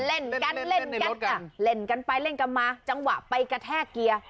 เล่นกันเล่นกันเล่นกันไปเล่นกันมาจังหวะไปกระแทกเกียร์